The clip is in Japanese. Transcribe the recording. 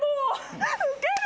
ウケる。